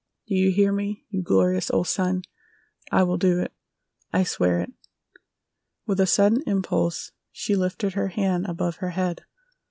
Do you hear me, you glorious old sun? I will do it! I swear it!" With a sudden impulse she lifted her hand above her head.